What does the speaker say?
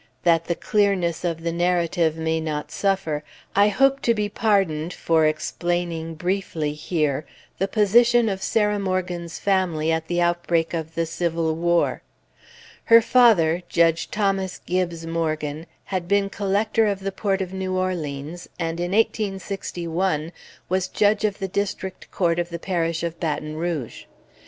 That the clearness of the narrative may not suffer, I hope to be pardoned for explaining briefly, here, the position of Sarah Morgan's family at the outbreak of the Civil War. Her father, Judge Thomas Gibbes Morgan, had been Collector of the Port of New Orleans, and in 1861 was Judge of the District Court of the Parish of Baton Rouge.